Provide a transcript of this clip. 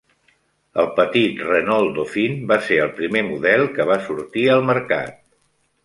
El petit Renault Dauphine va ser el primer model que va sortir al mercat.